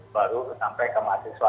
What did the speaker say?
baru sampai ke mahasiswa